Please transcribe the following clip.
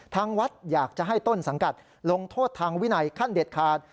ทางวัดอยากจะให้ต้นสังกัดลงโทษทางวินัยขั้นเด็ดขาด